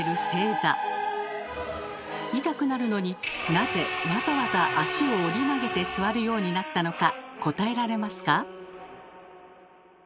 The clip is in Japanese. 痛くなるのになぜわざわざ足を折り曲げて座るようになったのか答えられますか？